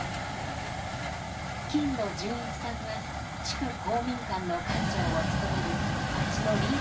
金野純一さんは地区公民館の館長を務める町のリーダーです。